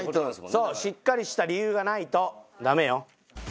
そうしっかりした理由がないとダメよ。